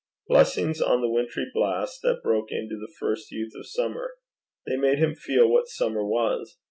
Blessings on the wintry blasts that broke into the first youth of Summer! They made him feel what summer was!